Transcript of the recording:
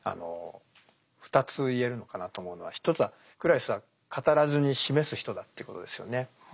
２つ言えるのかなと思うのは一つはクラリスは語らずに「示す」人だということですよね。